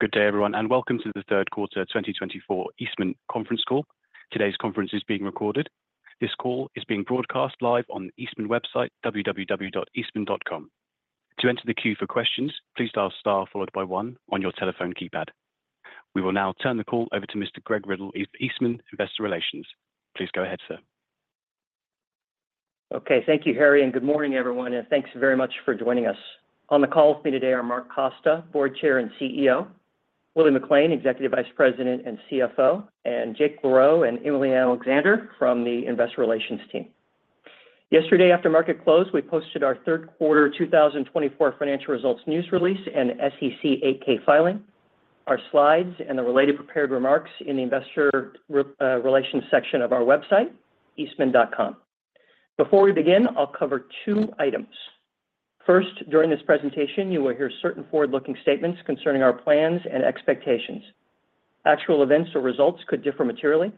Good day, everyone, and welcome to the third quarter 2024 Eastman Conference Call. Today's conference is being recorded. This call is being broadcast live on the Eastman website, www.eastman.com. To enter the queue for questions, please dial star followed by one on your telephone keypad. We will now turn the call over to Mr. Greg Riddle of Eastman Investor Relations. Please go ahead, sir. Okay, thank you, Harry, and good morning, everyone, and thanks very much for joining us. On the call with me today are Mark Costa, Board Chair and CEO, Willie McLain, Executive Vice President and CFO, and Jake LaRoe and Emily Alexander from the Investor Relations team. Yesterday, after market close, we posted our third quarter 2024 financial results news release and SEC 8-K filing, our slides, and the related prepared remarks in the Investor Relations section of our website, Eastman.com. Before we begin, I'll cover two items. First, during this presentation, you will hear certain forward-looking statements concerning our plans and expectations. Actual events or results could differ materially.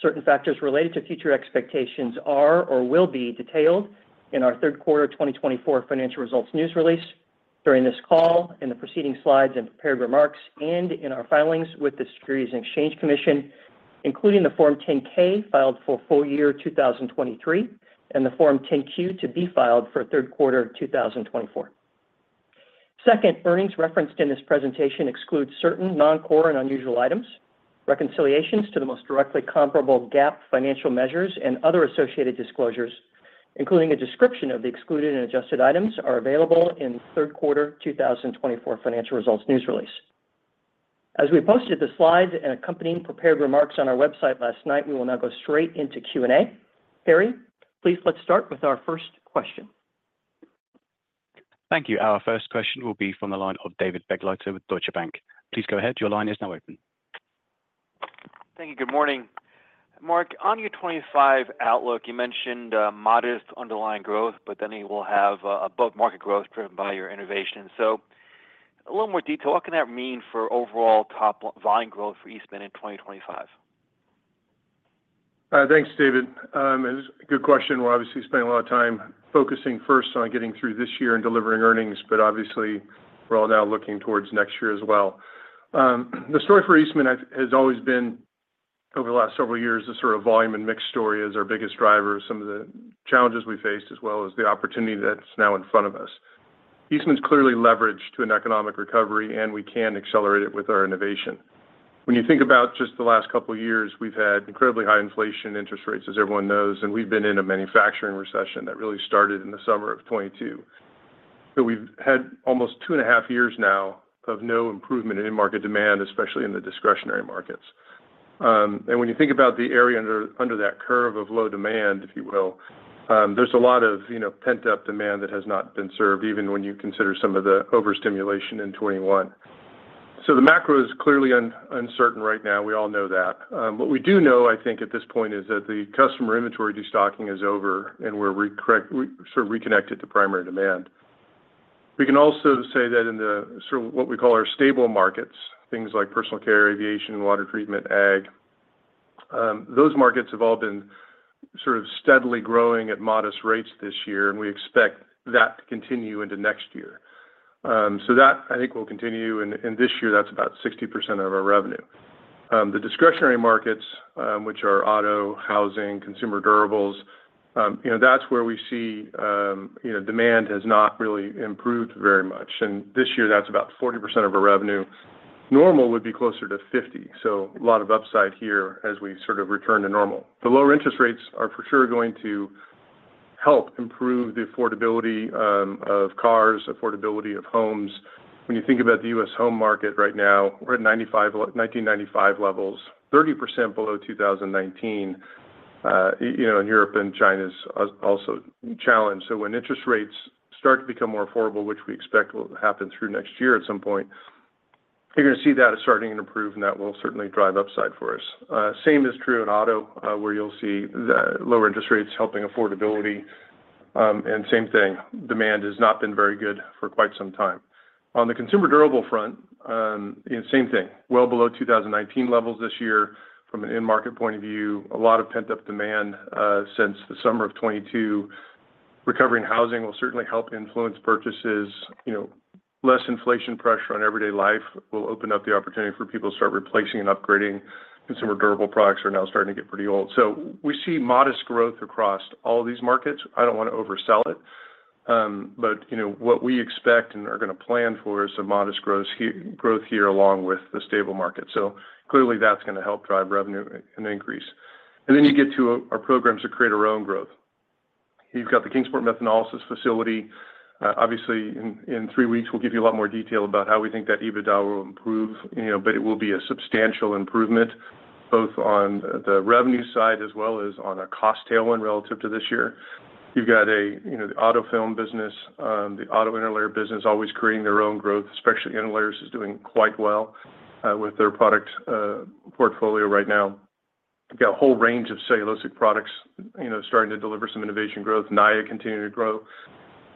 Certain factors related to future expectations are or will be detailed in our third quarter 2024 financial results news release, during this call, in the preceding slides and prepared remarks, and in our filings with the Securities and Exchange Commission, including the Form 10-K filed for full year 2023 and the Form 10-Q to be filed for third quarter 2024. Second, earnings referenced in this presentation exclude certain non-core and unusual items. Reconciliations to the most directly comparable GAAP financial measures and other associated disclosures, including a description of the excluded and adjusted items, are available in third quarter 2024 financial results news release. As we posted the slides and accompanying prepared remarks on our website last night, we will now go straight into Q&A. Harry, please let's start with our first question. Thank you. Our first question will be from the line of David Begleiter with Deutsche Bank. Please go ahead. Your line is now open. Thank you. Good morning. Mark, on your 2025 outlook, you mentioned modest underlying growth, but then you will have above-market growth driven by your innovation. So, a little more detail: what can that mean for overall top volume growth for Eastman in 2025? Thanks, David. It's a good question. We're obviously spending a lot of time focusing first on getting through this year and delivering earnings, but obviously, we're all now looking towards next year as well. The story for Eastman has always been, over the last several years, the sort of volume and mixed story as our biggest driver, some of the challenges we faced, as well as the opportunity that's now in front of us. Eastman's clearly leveraged to an economic recovery, and we can accelerate it with our innovation. When you think about just the last couple of years, we've had incredibly high inflation and interest rates, as everyone knows, and we've been in a manufacturing recession that really started in the summer of 2022. But we've had almost two and a half years now of no improvement in market demand, especially in the discretionary markets. And when you think about the area under that curve of low demand, if you will, there's a lot of pent-up demand that has not been served, even when you consider some of the overstimulation in 2021. So, the macro is clearly uncertain right now. We all know that. What we do know, I think, at this point is that the customer inventory destocking is over, and we're sort of reconnected to primary demand. We can also say that in the sort of what we call our stable markets, things like personal care, aviation, water treatment, ag, those markets have all been sort of steadily growing at modest rates this year, and we expect that to continue into next year. So, that, I think, will continue, and this year, that's about 60% of our revenue. The discretionary markets, which are auto, housing, consumer durables, you know, that's where we see demand has not really improved very much. And this year, that's about 40% of our revenue. Normal would be closer to 50. So, a lot of upside here as we sort of return to normal. The lower interest rates are for sure going to help improve the affordability of cars, affordability of homes. When you think about the U.S. home market right now, we're at 1995 levels, 30% below 2019. You know, and Europe and China's also challenged. So, when interest rates start to become more affordable, which we expect will happen through next year at some point, you're going to see that is starting to improve, and that will certainly drive upside for us. Same is true in auto, where you'll see lower interest rates helping affordability. Same thing, demand has not been very good for quite some time. On the consumer durable front, same thing, well below 2019 levels this year. From an in-market point of view, a lot of pent-up demand since the summer of 2022. Recovering housing will certainly help influence purchases. You know, less inflation pressure on everyday life will open up the opportunity for people to start replacing and upgrading. Consumer durable products are now starting to get pretty old. So, we see modest growth across all these markets. I don't want to oversell it, but you know what we expect and are going to plan for is some modest growth here along with the stable market. So, clearly, that's going to help drive revenue and increase. And then you get to our programs to create our own growth. You've got the Kingsport methanolysis facility. Obviously, in three weeks, we'll give you a lot more detail about how we think that EBITDA will improve, you know, but it will be a substantial improvement, both on the revenue side as well as on a cost tailwind relative to this year. You've got the auto film business, the auto interlayer business always creating their own growth, especially interlayers is doing quite well with their product portfolio right now. We've got a whole range of cellulosic products, you know, starting to deliver some innovation growth. Naia continuing to grow.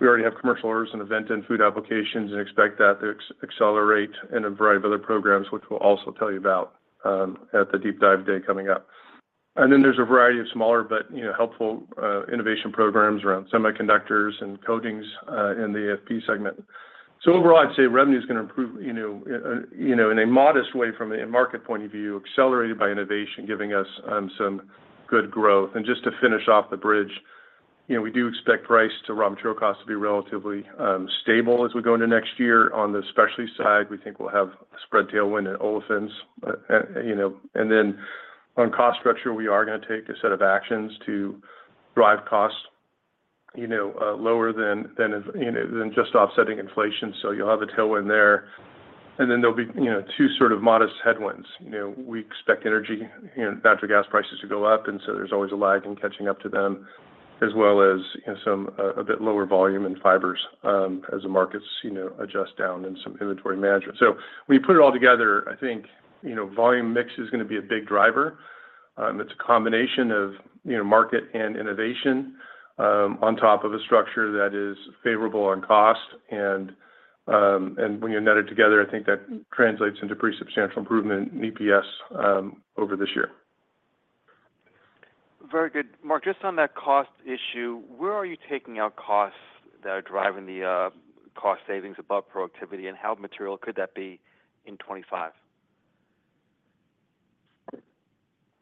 We already have commercial orders in Aventa and food applications and expect that to accelerate in a variety of other programs, which we'll also tell you about at the deep dive day coming up. And then there's a variety of smaller, but you know, helpful innovation programs around semiconductors and coatings in the AFP segment. So, overall, I'd say revenue is going to improve, you know, in a modest way from a market point of view, accelerated by innovation, giving us some good growth. And just to finish off the bridge, you know, we do expect price to raw material costs to be relatively stable as we go into next year. On the specialty side, we think we'll have a spread tailwind in olefins. You know, and then on cost structure, we are going to take a set of actions to drive costs, you know, lower than just offsetting inflation. So, you'll have a tailwind there. And then there'll be, you know, two sort of modest headwinds. You know, we expect energy and natural gas prices to go up, and so there's always a lag in catching up to them, as well as, you know, some a bit lower volume in Fibers as the markets, you know, adjust down and some inventory management. So, when you put it all together, I think, you know, volume mix is going to be a big driver. It's a combination of, you know, market and innovation on top of a structure that is favorable on cost. And when you net it together, I think that translates into pretty substantial improvement in EPS over this year. Very good. Mark, just on that cost issue, where are you taking out costs that are driving the cost savings above productivity, and how material could that be in 2025?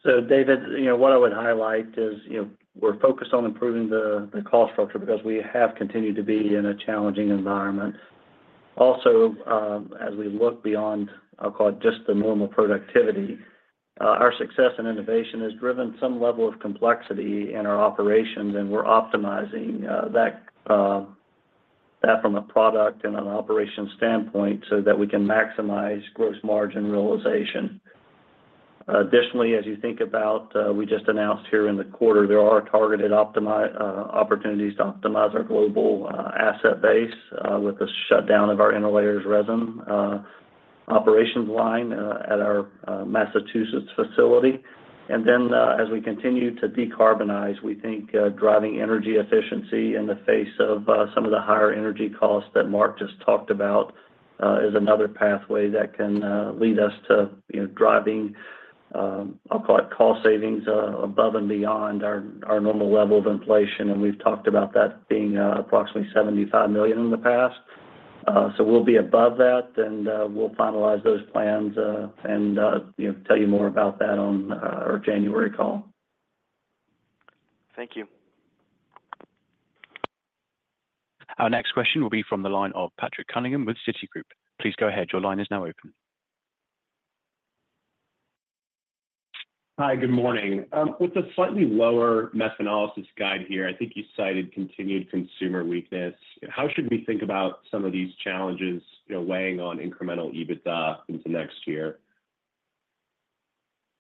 So, David, you know, what I would highlight is, you know, we're focused on improving the cost structure because we have continued to be in a challenging environment. Also, as we look beyond, I'll call it just the normal productivity, our success and innovation has driven some level of complexity in our operations, and we're optimizing that from a product and an operation standpoint so that we can maximize gross margin realization. Additionally, as you think about, we just announced here in the quarter, there are targeted opportunities to optimize our global asset base with the shutdown of our interlayers resin operations line at our Massachusetts facility. And then, as we continue to decarbonize, we think driving energy efficiency in the face of some of the higher energy costs that Mark just talked about is another pathway that can lead us to, you know, driving. I'll call it cost savings above and beyond our normal level of inflation. And we've talked about that being approximately $75 million in the past. So, we'll be above that, and we'll finalize those plans and, you know, tell you more about that on our January call. Thank you. Our next question will be from the line of Patrick Cunningham with Citigroup. Please go ahead. Your line is now open. Hi, good morning. With a slightly lower methanolysis guide here, I think you cited continued consumer weakness. How should we think about some of these challenges, you know, weighing on incremental EBITDA into next year?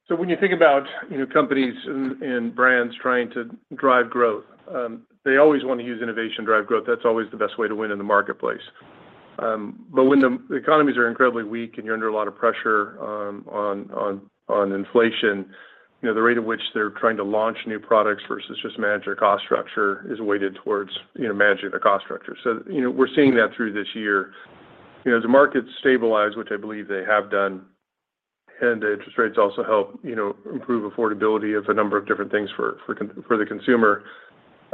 So, when you think about, you know, companies and brands trying to drive growth, they always want to use innovation to drive growth. That's always the best way to win in the marketplace. But when the economies are incredibly weak and you're under a lot of pressure on inflation, you know, the rate at which they're trying to launch new products versus just managing their cost structure is weighted towards, you know, managing their cost structure. So, you know, we're seeing that through this year. You know, as the markets stabilize, which I believe they have done, and the interest rates also help, you know, improve affordability of a number of different things for the consumer,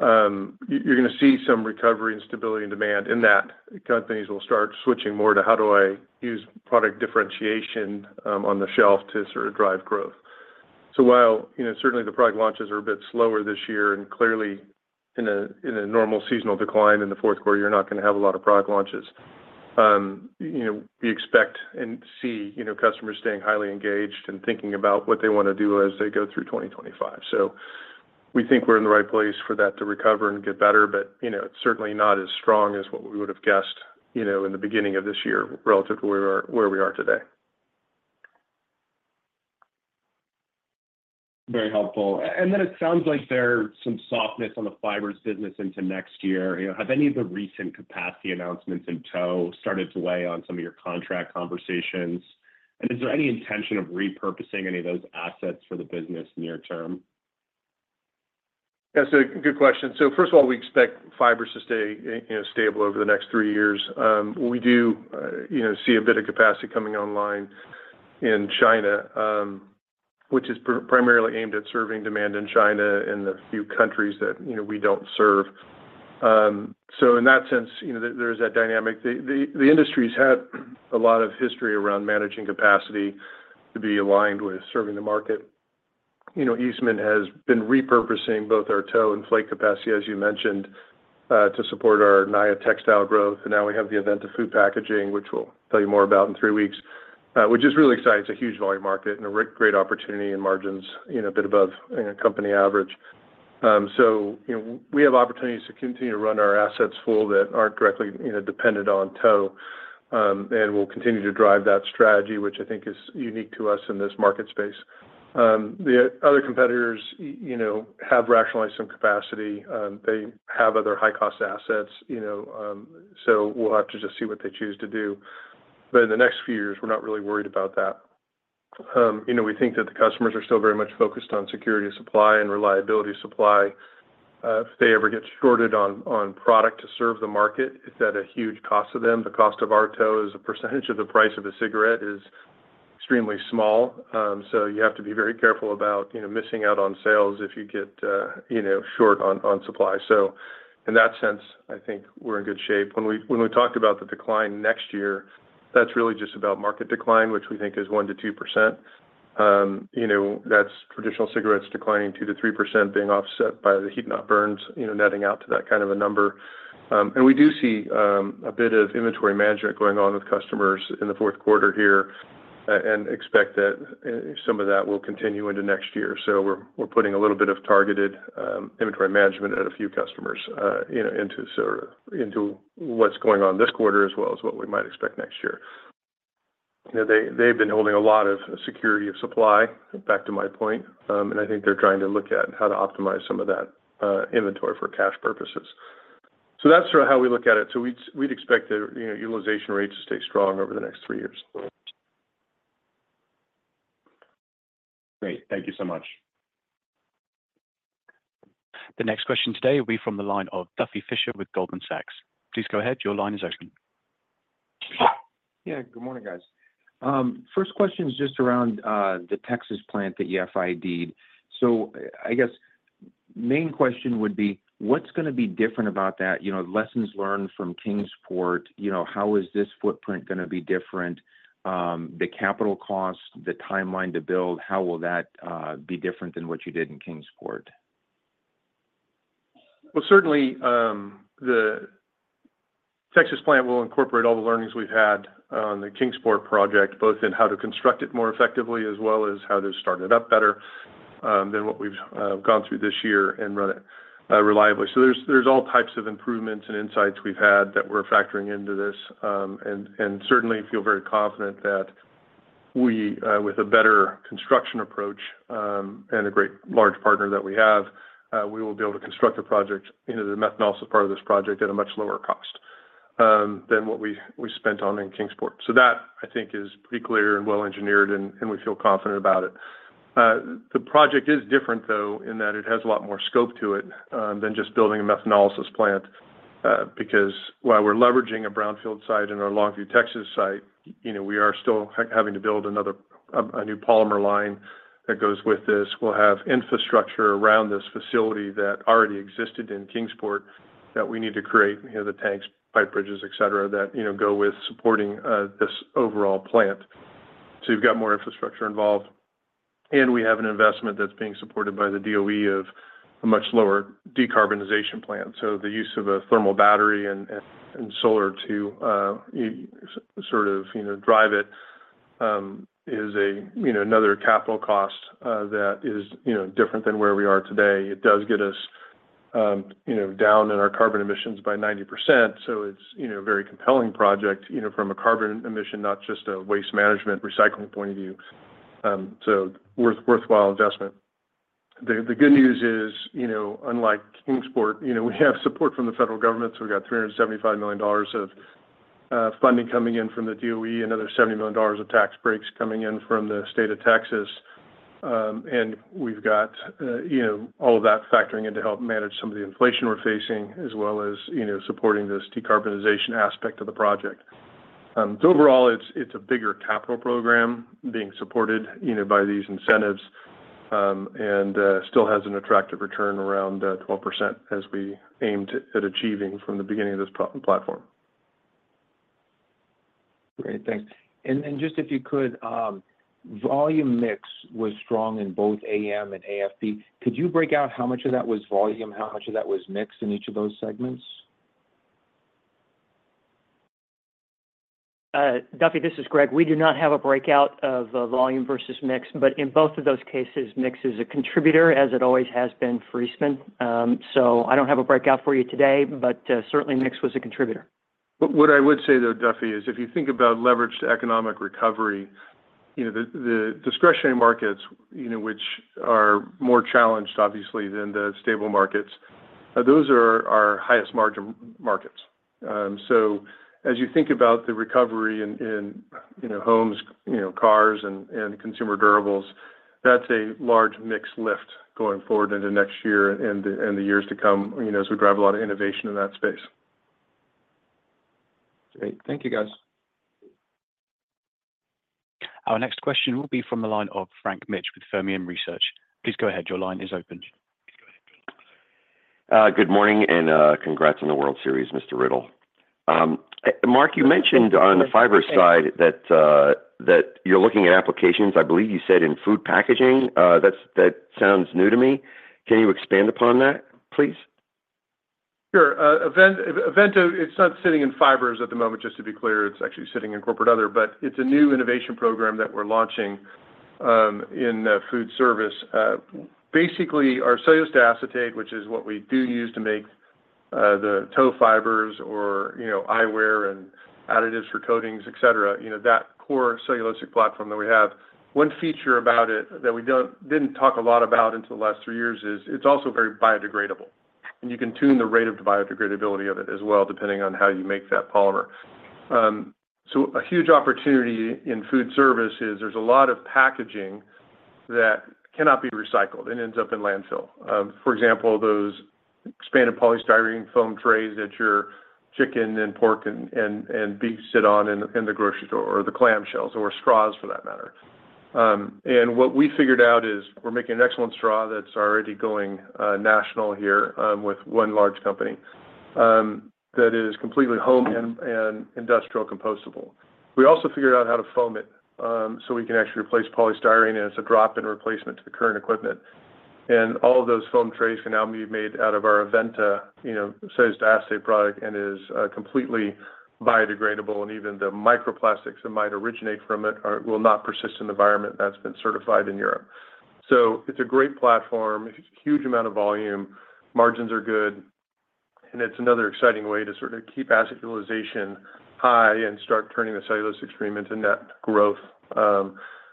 you're going to see some recovery and stability in demand in that companies will start switching more to how do I use product differentiation on the shelf to sort of drive growth. So, while you know, certainly the product launches are a bit slower this year and clearly in a normal seasonal decline in the fourth quarter, you're not going to have a lot of product launches. You know, we expect and see you know, customers staying highly engaged and thinking about what they want to do as they go through 2025. So, we think we're in the right place for that to recover and get better, but you know, it's certainly not as strong as what we would have guessed you know, in the beginning of this year relative to where we are today. Very helpful. And then it sounds like there's some softness on the Fibers business into next year. You know, have any of the recent capacity announcements in tow started to weigh on some of your contract conversations? And is there any intention of repurposing any of those assets for the business near term? Yeah, so good question. So, first of all, we expect Fibers to stay, you know, stable over the next three years. We do, you know, see a bit of capacity coming online in China, which is primarily aimed at serving demand in China and the few countries that, you know, we don't serve. So, in that sense, you know, there is that dynamic. The industry's had a lot of history around managing capacity to be aligned with serving the market. You know, Eastman has been repurposing both our tow and flake capacity, as you mentioned, to support our Naia textile growth. And now we have the Aventa for food packaging, which we'll tell you more about in three weeks, which is really exciting. It's a huge volume market and a great opportunity in margins, you know, a bit above, you know, company average. So, you know, we have opportunities to continue to run our assets full that aren't directly, you know, dependent on tow. And we'll continue to drive that strategy, which I think is unique to us in this market space. The other competitors, you know, have rationalized some capacity. They have other high-cost assets, you know, so we'll have to just see what they choose to do. But in the next few years, we're not really worried about that. You know, we think that the customers are still very much focused on security of supply and reliability of supply. If they ever get shorted on product to serve the market, it's at a huge cost to them. The cost of our tow is a percentage of the price of a cigarette is extremely small. So, you have to be very careful about, you know, missing out on sales if you get, you know, short on supply. So, in that sense, I think we're in good shape. When we talked about the decline next year, that's really just about market decline, which we think is 1%-2%. You know, that's traditional cigarettes declining 2%-3% being offset by the heat-not-burns, you know, netting out to that kind of a number. And we do see a bit of inventory management going on with customers in the fourth quarter here and expect that some of that will continue into next year. So, we're putting a little bit of targeted inventory management at a few customers, you know, into sort of what's going on this quarter as well as what we might expect next year. You know, they've been holding a lot of security of supply, back to my point, and I think they're trying to look at how to optimize some of that inventory for cash purposes. So, that's sort of how we look at it. So, we'd expect the, you know, utilization rate to stay strong over the next three years. Great. Thank you so much. The next question today will be from the line of Duffy Fischer with Goldman Sachs. Please go ahead. Your line is open. Yeah, good morning, guys. First question is just around the Texas plant that you FID. So, I guess main question would be, what's going to be different about that? You know, lessons learned from Kingsport, you know, how is this footprint going to be different? The capital cost, the timeline to build, how will that be different than what you did in Kingsport? Certainly, the Texas plant will incorporate all the learnings we've had on the Kingsport project, both in how to construct it more effectively as well as how to start it up better than what we've gone through this year and run it reliably. There's all types of improvements and insights we've had that we're factoring into this. Certainly, feel very confident that we, with a better construction approach and a great large partner that we have, we will be able to construct the project, you know, the methanolysis part of this project at a much lower cost than what we spent on in Kingsport. That I think is pretty clear and well engineered, and we feel confident about it. The project is different, though, in that it has a lot more scope to it than just building a methanolysis plant because while we're leveraging a brownfield site and our Longview, Texas site, you know, we are still having to build another new polymer line that goes with this. We'll have infrastructure around this facility that already existed in Kingsport that we need to create, you know, the tanks, pipe bridges, et cetera, that, you know, go with supporting this overall plant, so you've got more infrastructure involved, and we have an investment that's being supported by the DOE of a much lower decarbonization plant, so the use of a thermal battery and solar to sort of, you know, drive it is a, you know, another capital cost that is, you know, different than where we are today. It does get us, you know, down in our carbon emissions by 90%. So, it's, you know, a very compelling project, you know, from a carbon emission, not just a waste management recycling point of view. So, worthwhile investment. The good news is, you know, unlike Kingsport, you know, we have support from the federal government. So, we've got $375 million of funding coming in from the DOE, another $70 million of tax breaks coming in from the state of Texas, and we've got, you know, all of that factoring in to help manage some of the inflation we're facing as well as, you know, supporting this decarbonization aspect of the project. So, overall, it's a bigger capital program being supported, you know, by these incentives and still has an attractive return around 12% as we aimed at achieving from the beginning of this platform. Great. Thanks. And then just if you could, volume mix was strong in both AM and AFP. Could you break out how much of that was volume, how much of that was mix in each of those segments? Duffy, this is Greg. We do not have a breakout of volume versus mix, but in both of those cases, mix is a contributor, as it always has been for Eastman. So, I don't have a breakout for you today, but certainly mix was a contributor. What I would say, though, Duffy, is if you think about leveraged economic recovery, you know, the discretionary markets, you know, which are more challenged, obviously, than the stable markets, those are our highest margin markets, so as you think about the recovery in, you know, homes, you know, cars and consumer durables, that's a large mix lift going forward into next year and the years to come, you know, as we drive a lot of innovation in that space. Great. Thank you, guys. Our next question will be from the line of Frank Mitsch with Fermium Research. Please go ahead. Your line is open. Good morning and congrats on the World Series, Mr. Riddle. Mark, you mentioned on the fiber side that you're looking at applications, I believe you said, in food packaging. That sounds new to me. Can you expand upon that, please? Sure. Aventa, it's not sitting in Fibers at the moment, just to be clear. It's actually sitting in corporate other, but it's a new innovation program that we're launching in food service. Basically, our cellulose diacetate, which is what we do use to make the tow fibers or, you know, eyewear and additives for coatings, et cetera, you know, that core cellulosic platform that we have. One feature about it that we didn't talk a lot about until the last three years is it's also very biodegradable, and you can tune the rate of the biodegradability of it as well, depending on how you make that polymer, so a huge opportunity in food service is there's a lot of packaging that cannot be recycled and ends up in landfill. For example, those expanded polystyrene foam trays that your chicken and pork and beef sit on in the grocery store or the clamshells or straws for that matter, and what we figured out is we're making an excellent straw that's already going national here with one large company that is completely home and industrial compostable. We also figured out how to foam it so we can actually replace polystyrene and it's a drop-in replacement to the current equipment, and all of those foam trays can now be made out of our Aventa, you know, cellulose diacetate product and is completely biodegradable. And even the microplastics that might originate from it will not persist in the environment. That's been certified in Europe, so it's a great platform, huge amount of volume, margins are good. It's another exciting way to sort of keep acid utilization high and start turning the cellulose stream into net growth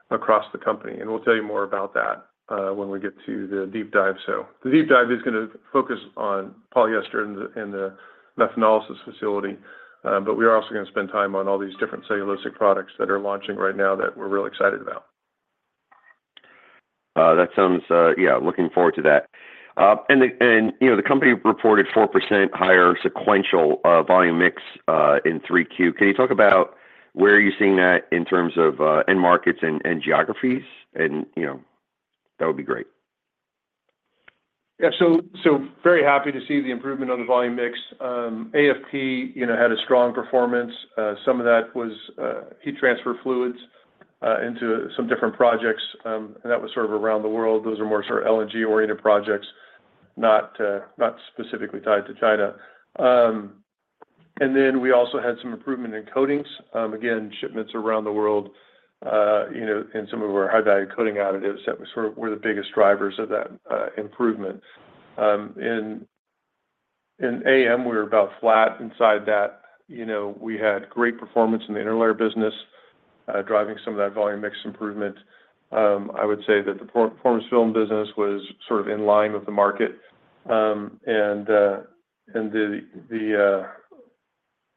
across the company. We'll tell you more about that when we get to the deep dive. The deep dive is going to focus on polyester in the methanolysis facility, but we are also going to spend time on all these different cellulosic products that are launching right now that we're really excited about. That sounds, yeah, looking forward to that. And, you know, the company reported 4% higher sequential volume mix in 3Q. Can you talk about where you're seeing that in terms of end markets and geographies? And, you know, that would be great. Yeah, so very happy to see the improvement on the volume mix. AFP, you know, had a strong performance. Some of that was heat transfer fluids into some different projects, and that was sort of around the world. Those are more sort of LNG-oriented projects, not specifically tied to China, and then we also had some improvement in coatings. Again, shipments around the world, you know, and some of our high-value coating additives were the biggest drivers of that improvement. In AM, we were about flat inside that. You know, we had great performance in the interlayer business driving some of that volume mix improvement. I would say that the performance film business was sort of in line with the market, and the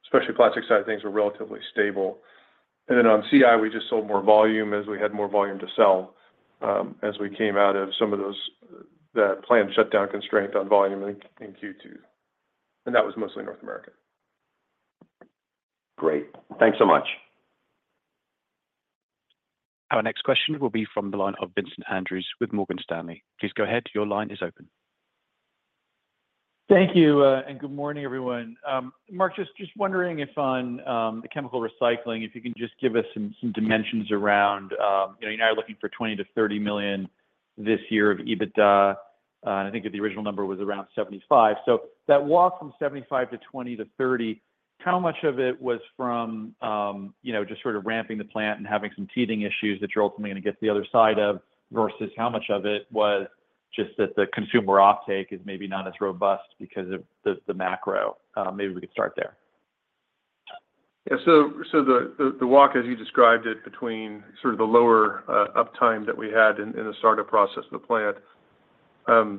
specialty plastics side of things were relatively stable. And then on CI, we just sold more volume as we had more volume to sell as we came out of some of those planned shutdown constraints on volume in Q2. And that was mostly North America. Great. Thanks so much. Our next question will be from the line of Vincent Andrews with Morgan Stanley. Please go ahead. Your line is open. Thank you, and good morning, everyone. Mark, just wondering if on the chemical recycling, if you can just give us some dimensions around, you know, you're now looking for $20 million-$30 million this year of EBITDA. And I think the original number was around $75 million, so that walk from $75 million to $20 million-$30 million, how much of it was from, you know, just sort of ramping the plant and having some teething issues that you're ultimately going to get to the other side of versus how much of it was just that the consumer offtake is maybe not as robust because of the macro? Maybe we could start there. Yeah. So, the walk, as you described it, between sort of the lower uptime that we had in the startup process of the plant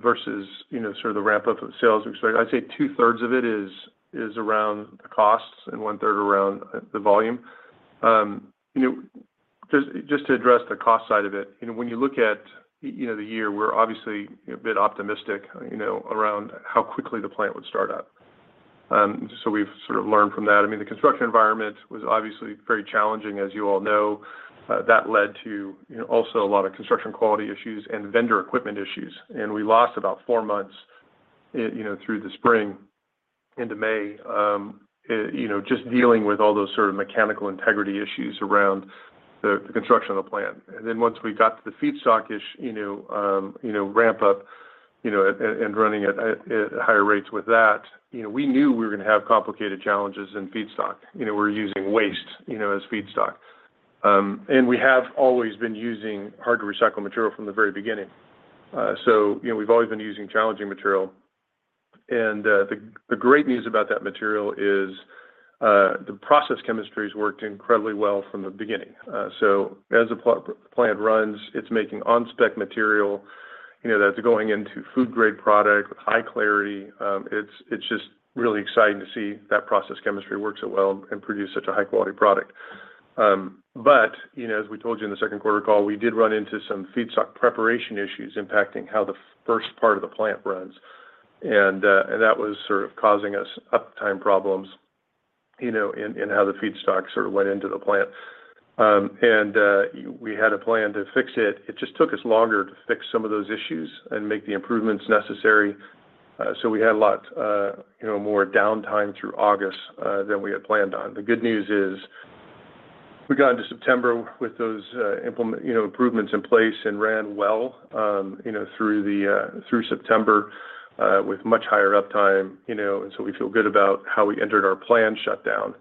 versus, you know, sort of the ramp-up of sales, I'd say two-thirds of it is around the costs and one-third around the volume. You know, just to address the cost side of it, you know, when you look at, you know, the year, we're obviously a bit optimistic, you know, around how quickly the plant would start up. So, we've sort of learned from that. I mean, the construction environment was obviously very challenging, as you all know. That led to, you know, also a lot of construction quality issues and vendor equipment issues. And we lost about four months, you know, through the spring into May, you know, just dealing with all those sort of mechanical integrity issues around the construction of the plant. And then once we got to the feedstock-ish, you know, ramp-up, you know, and running at higher rates with that, you know, we knew we were going to have complicated challenges in feedstock. You know, we're using waste, you know, as feedstock. And we have always been using hard-to-recycle material from the very beginning. So, you know, we've always been using challenging material. And the great news about that material is the process chemistry has worked incredibly well from the beginning. So, as the plant runs, it's making on-spec material, you know, that's going into food-grade product with high clarity. It's just really exciting to see that process chemistry works so well and produce such a high-quality product. But, you know, as we told you in the second quarter call, we did run into some feedstock preparation issues impacting how the first part of the plant runs. That was sort of causing us uptime problems, you know, in how the feedstock sort of went into the plant. We had a plan to fix it. It just took us longer to fix some of those issues and make the improvements necessary. We had a lot, you know, more downtime through August than we had planned on. The good news is we got into September with those, you know, improvements in place and ran well, you know, through September with much higher uptime, you know. We feel good about how we entered our planned shutdown.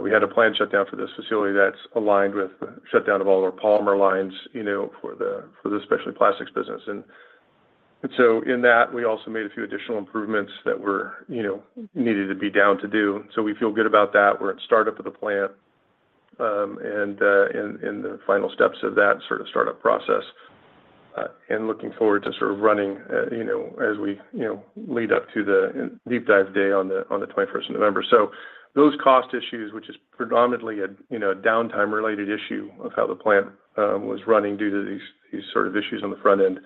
We had a planned shutdown for this facility that's aligned with the shutdown of all our polymer lines, you know, for the specialty plastics business. In that, we also made a few additional improvements that were, you know, needed to be down to do. We feel good about that. We're at startup of the plant and in the final steps of that sort of startup process and looking forward to sort of running, you know, as we, you know, lead up to the deep dive day on the 21st of November. Those cost issues, which is predominantly a, you know, downtime-related issue of how the plant was running due to these sort of issues on the front end,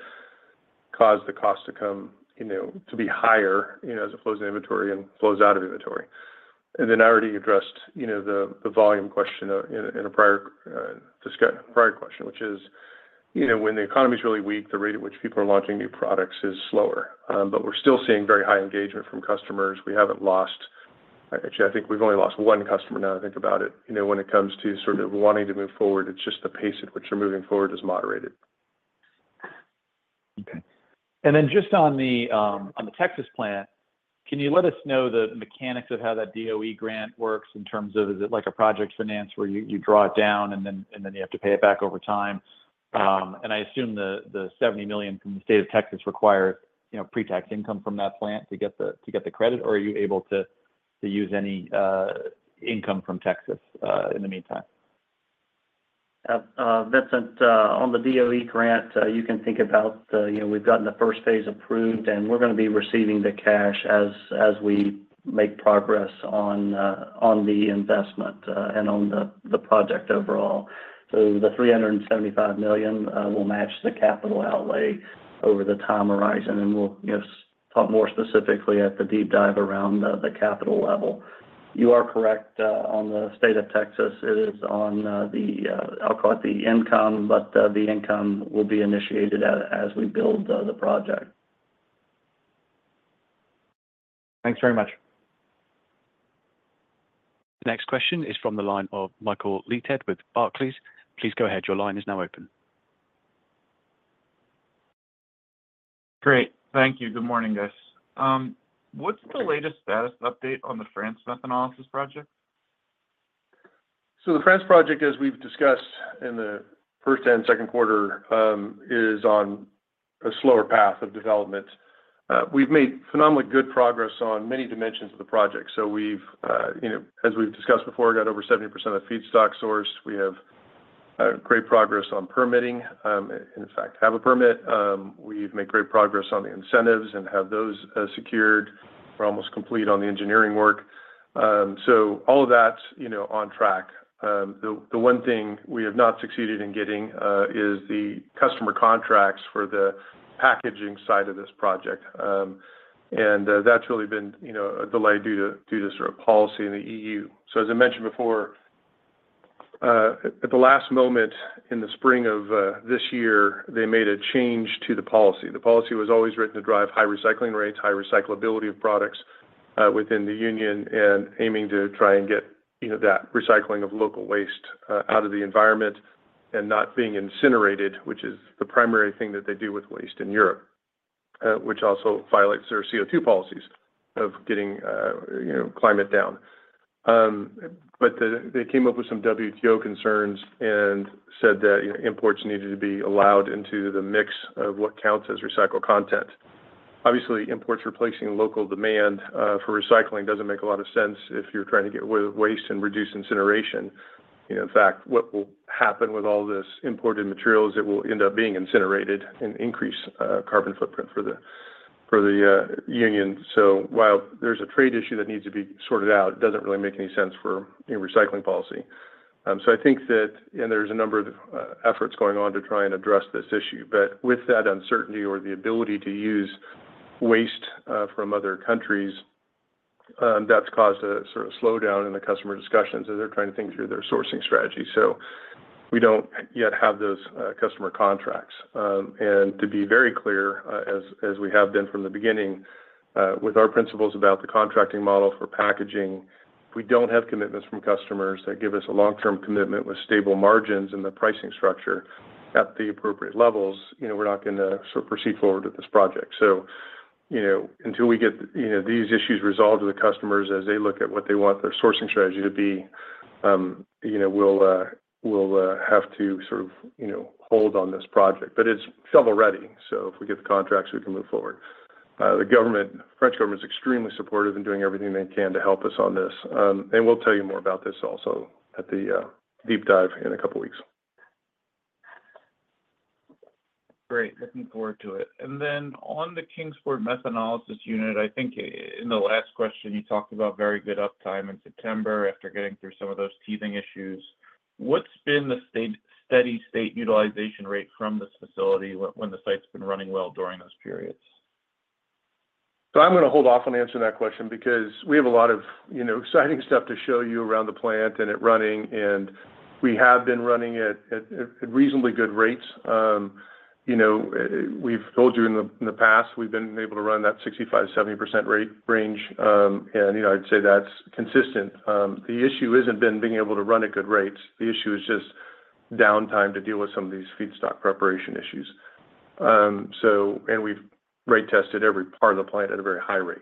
caused the cost to come, you know, to be higher, you know, as it flows in inventory and flows out of inventory. I already addressed, you know, the volume question in a prior question, which is, you know, when the economy is really weak, the rate at which people are launching new products is slower. We're still seeing very high engagement from customers. We haven't lost, actually, I think we've only lost one customer now, I think, about it, you know, when it comes to sort of wanting to move forward. It's just the pace at which we're moving forward is moderated. Okay. And then just on the Texas plant, can you let us know the mechanics of how that DOE grant works in terms of, is it like a project finance where you draw it down and then you have to pay it back over time? And I assume the $70 million from the state of Texas requires, you know, pre-tax income from that plant to get the credit, or are you able to use any income from Texas in the meantime? Vincent, on the DOE grant, you can think about, you know, we've gotten the first phase approved, and we're going to be receiving the cash as we make progress on the investment and on the project overall. So, the $375 million will match the capital outlay over the time horizon. And we'll, you know, talk more specifically at the deep dive around the capital level. You are correct on the state of Texas. It is on the, I'll call it the incentive, but the incentive will be initiated as we build the project. Thanks very much. The next question is from the line of Michael Leithead with Barclays. Please go ahead. Your line is now open. Great. Thank you. Good morning, guys. What's the latest status update on the France methanolysis project? So, the France project, as we've discussed in the first and second quarter, is on a slower path of development. We've made phenomenally good progress on many dimensions of the project. So, we've, you know, as we've discussed before, got over 70% of the feedstock sourced. We have great progress on permitting, in fact, have a permit. We've made great progress on the incentives and have those secured. We're almost complete on the engineering work. So, all of that, you know, on track. The one thing we have not succeeded in getting is the customer contracts for the packaging side of this project. And that's really been, you know, a delay due to sort of policy in the EU. As I mentioned before, at the last moment in the spring of this year, they made a change to the policy. The policy was always written to drive high recycling rates, high recyclability of products within the union, and aiming to try and get, you know, that recycling of local waste out of the environment and not being incinerated, which is the primary thing that they do with waste in Europe, which also violates their CO2 policies of getting, you know, climate down. But they came up with some WTO concerns and said that, you know, imports needed to be allowed into the mix of what counts as recycled content. Obviously, imports replacing local demand for recycling doesn't make a lot of sense if you're trying to get rid of waste and reduce incineration. You know, in fact, what will happen with all this imported material is it will end up being incinerated and increase carbon footprint for the EU, so while there's a trade issue that needs to be sorted out, it doesn't really make any sense for recycling policy, so I think that, and there's a number of efforts going on to try and address this issue, but with that uncertainty or the ability to use waste from other countries, that's caused a sort of slowdown in the customer discussions as they're trying to think through their sourcing strategy, so we don't yet have those customer contracts. And to be very clear, as we have been from the beginning with our principles about the contracting model for packaging, if we don't have commitments from customers that give us a long-term commitment with stable margins and the pricing structure at the appropriate levels, you know, we're not going to sort of proceed forward with this project. So, you know, until we get, you know, these issues resolved with the customers as they look at what they want their sourcing strategy to be, you know, we'll have to sort of, you know, hold on this project. But it's shovel ready. So, if we get the contracts, we can move forward. The French government is extremely supportive in doing everything they can to help us on this. And we'll tell you more about this also at the deep dive in a couple of weeks. Great. Looking forward to it. And then on the Kingsport methanolysis unit, I think in the last question, you talked about very good uptime in September after getting through some of those teething issues. What's been the steady state utilization rate from this facility when the site's been running well during those periods? I'm going to hold off on answering that question because we have a lot of, you know, exciting stuff to show you around the plant and it running. We have been running at reasonably good rates. You know, we've told you in the past, we've been able to run that 65%-70% rate range. You know, I'd say that's consistent. The issue hasn't been being able to run at good rates. The issue is just downtime to deal with some of these feedstock preparation issues. We've rate tested every part of the plant at a very high rate.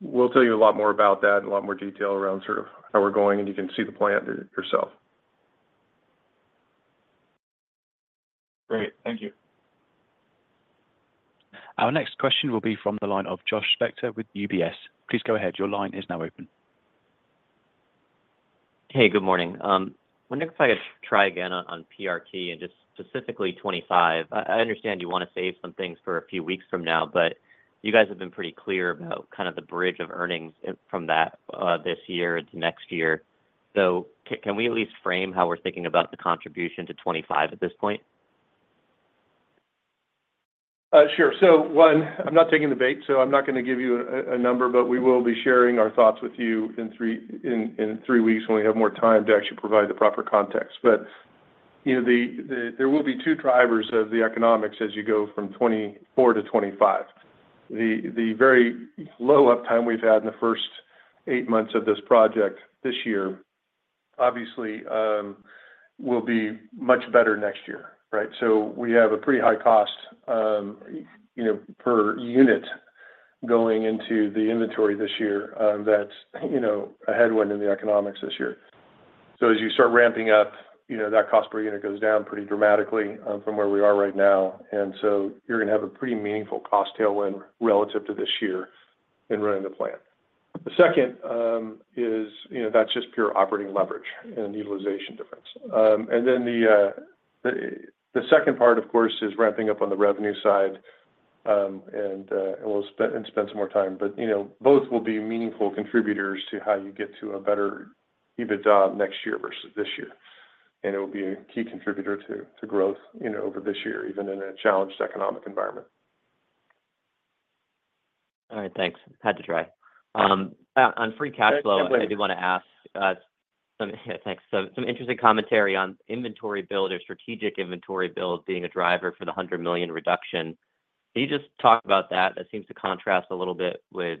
We'll tell you a lot more about that and a lot more detail around sort of how we're going. You can see the plant yourself. Great. Thank you. Our next question will be from the line of Josh Spector with UBS. Please go ahead. Your line is now open. Hey, good morning. I wonder if I could try again on PRT and just specifically 2025. I understand you want to save some things for a few weeks from now, but you guys have been pretty clear about kind of the bridge of earnings from that this year to next year. So, can we at least frame how we're thinking about the contribution to 2025 at this point? Sure. So, one, I'm not taking the bait, so I'm not going to give you a number, but we will be sharing our thoughts with you in three weeks when we have more time to actually provide the proper context. But, you know, there will be two drivers of the economics as you go from 2024 to 2025. The very low uptime we've had in the first eight months of this project this year obviously will be much better next year, right? So, we have a pretty high cost, you know, per unit going into the inventory this year that's, you know, a headwind in the economics this year. So, as you start ramping up, you know, that cost per unit goes down pretty dramatically from where we are right now. And so, you're going to have a pretty meaningful cost tailwind relative to this year in running the plant. The second is, you know, that's just pure operating leverage and utilization difference, and then the second part, of course, is ramping up on the revenue side, and we'll spend some more time, but you know, both will be meaningful contributors to how you get to a better EBITDA next year versus this year, and it will be a key contributor to growth, you know, over this year, even in a challenged economic environment. All right. Thanks. Had to try. On free cash flow, I do want to ask some interesting commentary on inventory build or strategic inventory build being a driver for the $100 million reduction. Can you just talk about that? That seems to contrast a little bit with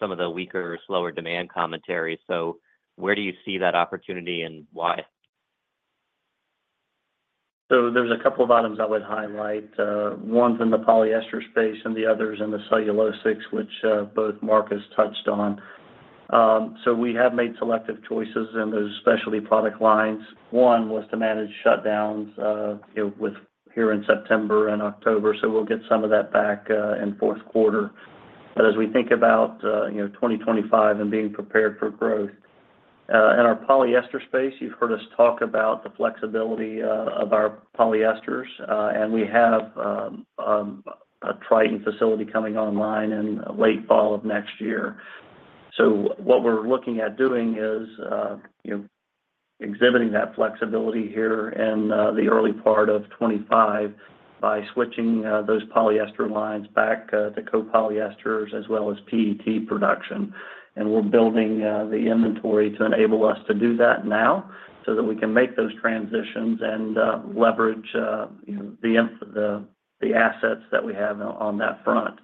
some of the weaker, slower demand commentary. So, where do you see that opportunity and why? There's a couple of items I would highlight. One's in the polyester space and the other's in the cellulosics, which both Mark has touched on. We have made selective choices in those specialty product lines. One was to manage shutdowns, you know, here in September and October. We'll get some of that back in fourth quarter. As we think about, you know, 2025 and being prepared for growth, in our polyester space, you've heard us talk about the flexibility of our polyesters. And we have a Tritan facility coming online in late fall of next year. What we're looking at doing is, you know, exhibiting that flexibility here in the early part of 25 by switching those polyester lines back to copolyesters as well as PET production. We're building the inventory to enable us to do that now so that we can make those transitions and leverage, you know, the assets that we have on that front.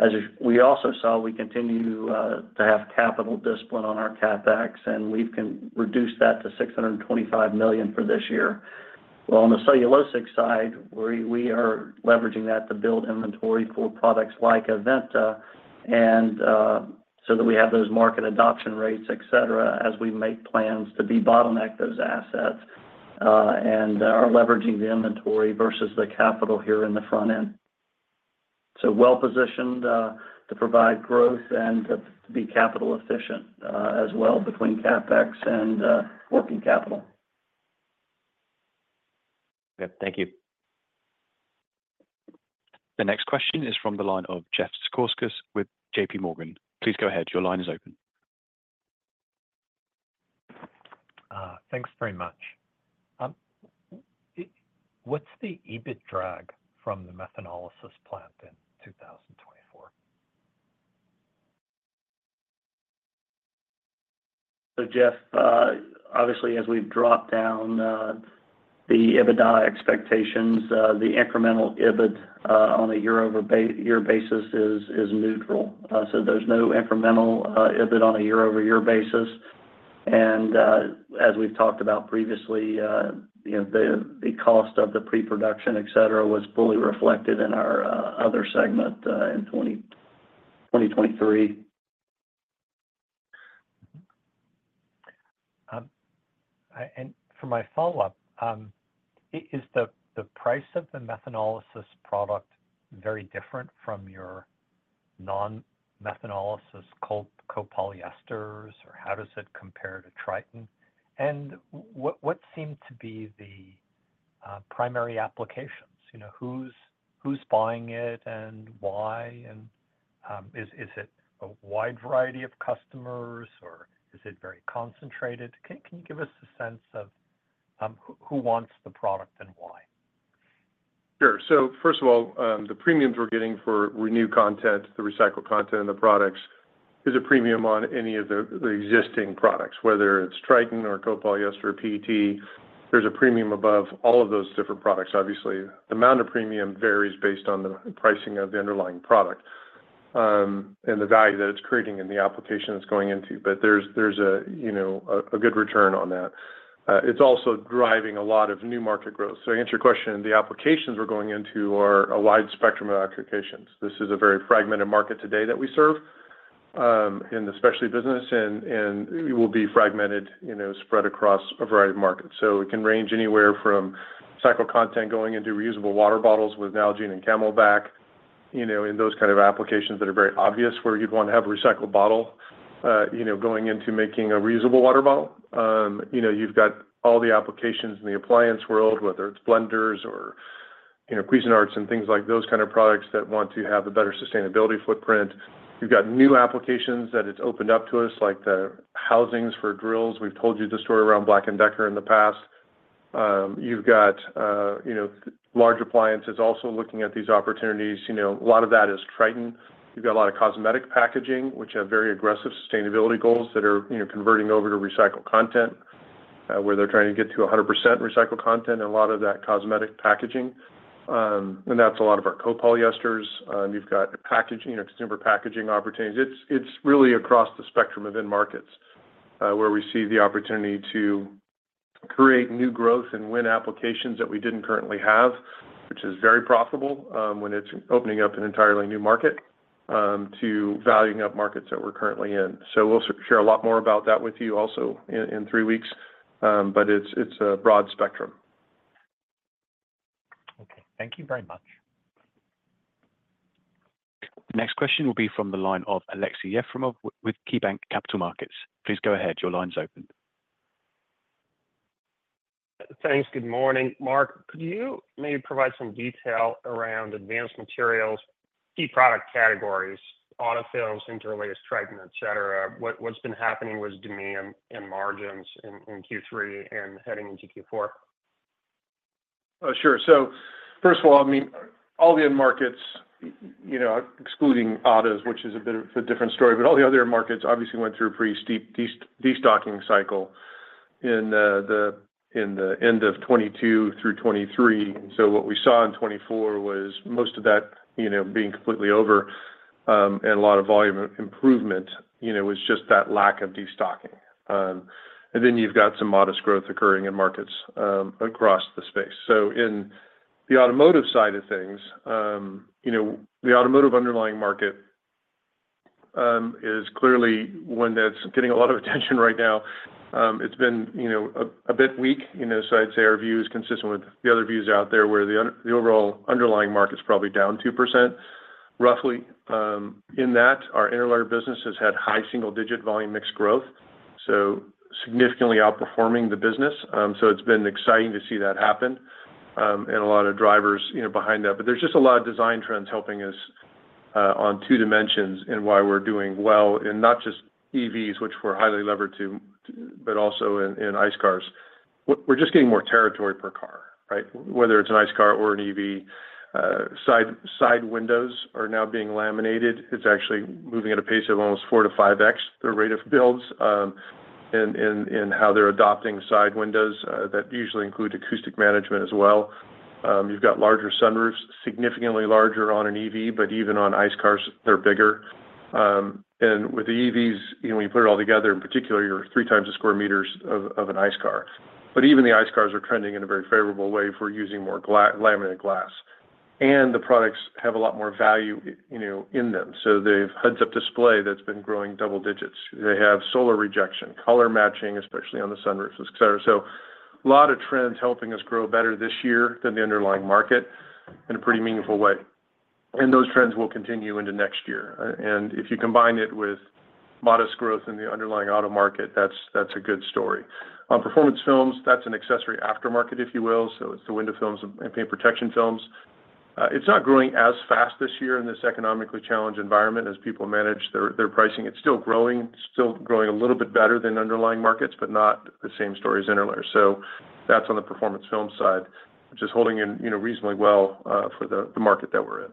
As we also saw, we continue to have capital discipline on our CapEx, and we've reduced that to $625 million for this year. On the cellulosic side, we are leveraging that to build inventory for products like Aventa so that we have those market adoption rates, et cetera, as we make plans to de-bottleneck those assets and are leveraging the inventory versus the capital here in the front end. Well-positioned to provide growth and to be capital efficient as well between CapEx and working capital. Okay. Thank you. The next question is from the line of Jeff Zekauskas with J.P. Morgan. Please go ahead. Your line is open. Thanks very much. What's the EBIT drag from the methanolysis plant in 2024? So, Jeff, obviously, as we've dropped down the EBITDA expectations, the incremental EBIT on a year-over-year basis is neutral. So, there's no incremental EBIT on a year-over-year basis. And as we've talked about previously, you know, the cost of the pre-production, et cetera, was fully reflected in our other segment in 2023. For my follow-up, is the price of the methanolysis product very different from your non-methanolysis co-polyesters, or how does it compare to Tritan? And what seem to be the primary applications? You know, who's buying it and why? And is it a wide variety of customers, or is it very concentrated? Can you give us a sense of who wants the product and why? Sure. So, first of all, the premiums we're getting for recycled content, the recycled content in the products is a premium on any of the existing products, whether it's Tritan or copolyester or PET. There's a premium above all of those different products, obviously. The amount of premium varies based on the pricing of the underlying product and the value that it's creating in the application it's going into. But there's a, you know, a good return on that. It's also driving a lot of new market growth. So, to answer your question, the applications we're going into are a wide spectrum of applications. This is a very fragmented market today that we serve in the specialty business, and it will be fragmented, you know, spread across a variety of markets. It can range anywhere from recycled content going into reusable water bottles with Nalgene and CamelBak, you know, in those kind of applications that are very obvious where you'd want to have a recycled bottle, you know, going into making a reusable water bottle. You know, you've got all the applications in the appliance world, whether it's blenders or, you know, Cuisinart and things like those kind of products that want to have a better sustainability footprint. You've got new applications that it's opened up to us, like the housings for drills. We've told you the story around Black & Decker in the past. You've got, you know, large appliances also looking at these opportunities. You know, a lot of that is Tritan. You've got a lot of cosmetic packaging, which have very aggressive sustainability goals that are, you know, converting over to recycled content where they're trying to get to 100% recycled content and a lot of that cosmetic packaging. And that's a lot of our copolyesters. You've got packaging, you know, consumer packaging opportunities. It's really across the spectrum of end markets where we see the opportunity to create new growth and win applications that we didn't currently have, which is very profitable when it's opening up an entirely new market to valuing up markets that we're currently in. So, we'll share a lot more about that with you also in three weeks, but it's a broad spectrum. Okay. Thank you very much. The next question will be from the line of Aleksey Yefremov with KeyBanc Capital Markets. Please go ahead. Your line's open. Thanks. Good morning, Mark. Could you maybe provide some detail around Advanced Materials, key product categories, auto films, interlayers, Tritan, et cetera? What's been happening with demand and margins in Q3 and heading into Q4? Sure. So, first of all, I mean, all the end markets, you know, excluding autos, which is a bit of a different story, but all the other markets obviously went through a pretty steep destocking cycle in the end of 2022 through 2023. So, what we saw in 2024 was most of that, you know, being completely over and a lot of volume improvement, you know, was just that lack of destocking. And then you've got some modest growth occurring in markets across the space. So, in the automotive side of things, you know, the automotive underlying market is clearly one that's getting a lot of attention right now. It's been, you know, a bit weak, you know, so I'd say our view is consistent with the other views out there where the overall underlying market's probably down 2%, roughly. In that, our interlayer business has had high single-digit volume mixed growth, so significantly outperforming the business. So, it's been exciting to see that happen and a lot of drivers, you know, behind that. But there's just a lot of design trends helping us on two dimensions in why we're doing well in not just EVs, which we're highly levered, but also in ICE cars. We're just getting more territory per car, right? Whether it's an ICE car or an EV, side windows are now being laminated. It's actually moving at a pace of almost four to five X the rate of builds in how they're adopting side windows that usually include acoustic management as well. You've got larger sunroofs, significantly larger on an EV, but even on ICE cars, they're bigger. And with the EVs, you know, when you put it all together, in particular, you're three times the square meters of an ICE car. But even the ICE cars are trending in a very favorable way for using more laminated glass. And the products have a lot more value, you know, in them. So, they've heads-up display that's been growing double digits. They have solar rejection, color matching, especially on the sunroofs, et cetera. So, a lot of trends helping us grow better this year than the underlying market in a pretty meaningful way. And those trends will continue into next year. And if you combine it with modest growth in the underlying auto market, that's a good story. On performance films, that's an accessory aftermarket, if you will. So, it's the window films and paint protection films. It's not growing as fast this year in this economically challenged environment as people manage their pricing. It's still growing, still growing a little bit better than underlying markets, but not the same story as interlayers. So, that's on the performance film side, which is holding in, you know, reasonably well for the market that we're in.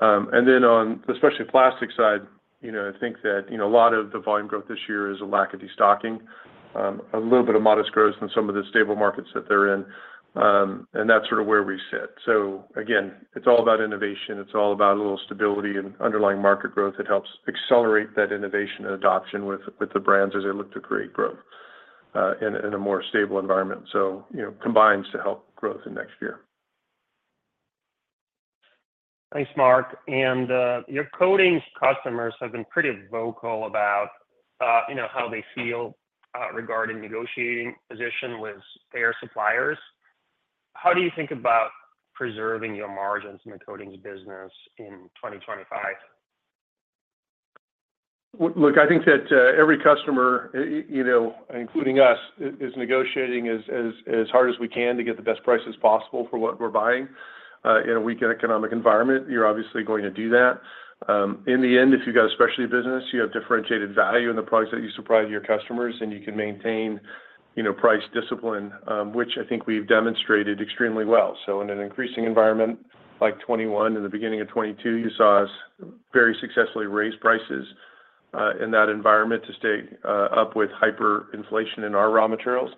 And then on the specialty plastic side, you know, I think that, you know, a lot of the volume growth this year is a lack of destocking, a little bit of modest growth in some of the stable markets that they're in. And that's sort of where we sit. So, again, it's all about innovation. It's all about a little stability and underlying market growth that helps accelerate that innovation and adoption with the brands as they look to create growth in a more stable environment. So, you know, combines to help growth in next year. Thanks, Mark. And your coatings customers have been pretty vocal about, you know, how they feel regarding negotiating position with their suppliers. How do you think about preserving your margins in the coatings business in 2025? Look, I think that every customer, you know, including us, is negotiating as hard as we can to get the best prices possible for what we're buying in a weak economic environment. You're obviously going to do that. In the end, if you've got a specialty business, you have differentiated value in the products that you supply to your customers, and you can maintain, you know, price discipline, which I think we've demonstrated extremely well. So, in an increasing environment like 2021, in the beginning of 2022, you saw us very successfully raise prices in that environment to stay up with hyperinflation in our raw materials.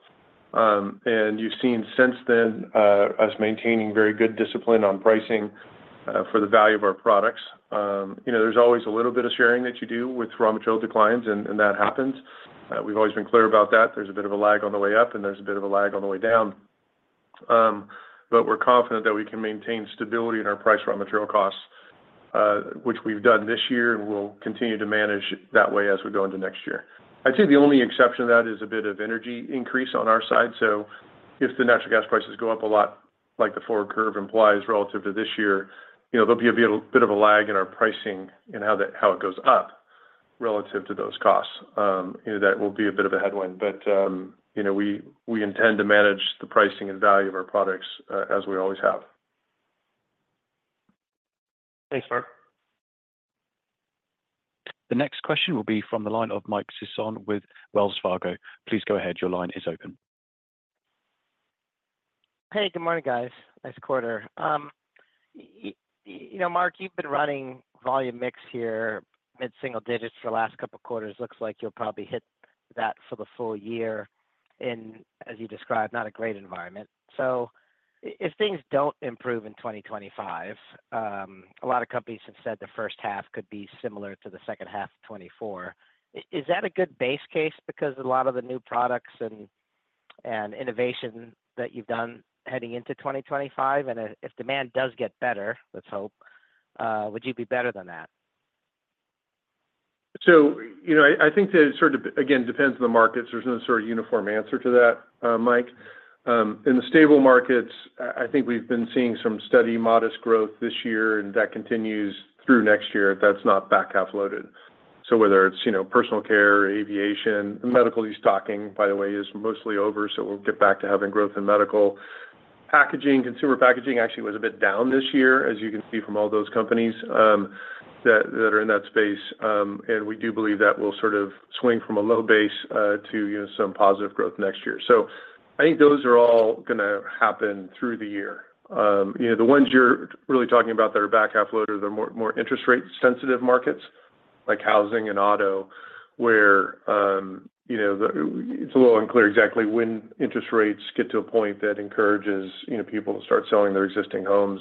And you've seen since then us maintaining very good discipline on pricing for the value of our products. You know, there's always a little bit of sharing that you do with raw material declines, and that happens. We've always been clear about that. There's a bit of a lag on the way up, and there's a bit of a lag on the way down. But we're confident that we can maintain stability in our pricing and raw material costs, which we've done this year, and we'll continue to manage that way as we go into next year. I'd say the only exception to that is a bit of energy increase on our side. So, if the natural gas prices go up a lot, like the forward curve implies relative to this year, you know, there'll be a bit of a lag in our pricing and how it goes up relative to those costs. You know, that will be a bit of a headwind. But, you know, we intend to manage the pricing and value of our products as we always have. Thanks, Mark. The next question will be from the line of Mike Sisson with Wells Fargo. Please go ahead. Your line is open. Hey, good morning, guys. Nice quarter. You know, Mark, you've been running volume mix here, mid-single digits for the last couple of quarters. Looks like you'll probably hit that for the full year in, as you described, not a great environment. So, if things don't improve in 2025, a lot of companies have said the first half could be similar to the second half of 2024. Is that a good base case because a lot of the new products and innovation that you've done heading into 2025, and if demand does get better, let's hope, would you be better than that? You know, I think that it sort of, again, depends on the markets. There's no sort of uniform answer to that, Mike. In the stable markets, I think we've been seeing some steady modest growth this year, and that continues through next year if that's not back half loaded. Whether it's, you know, personal care, aviation, medical destocking, by the way, is mostly over. We'll get back to having growth in medical packaging. Consumer packaging actually was a bit down this year, as you can see from all those companies that are in that space. We do believe that will sort of swing from a low base to, you know, some positive growth next year. I think those are all going to happen through the year. You know, the ones you're really talking about that are back half loaded, they're more interest rate sensitive markets like housing and auto, where, you know, it's a little unclear exactly when interest rates get to a point that encourages, you know, people to start selling their existing homes